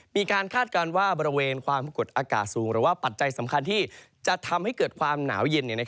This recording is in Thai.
คาดการณ์ว่าบริเวณความกดอากาศสูงหรือว่าปัจจัยสำคัญที่จะทำให้เกิดความหนาวเย็น